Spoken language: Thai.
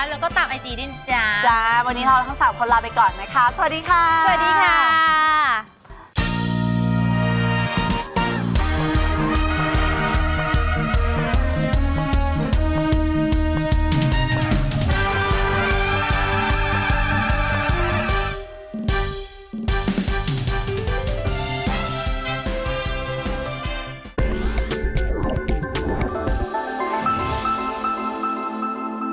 แล้วก็ตามไอจีด้วยนะจ๊ะจ๊ะวันนี้เราทั้งสามคนลาไปก่อนนะคะสวัสดีค่ะสวัสดีค่ะ